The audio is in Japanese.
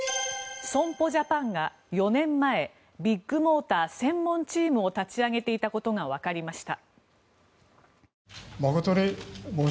損保ジャパンが４年前ビッグモーター専門チームを立ち上げていたことがわかりました。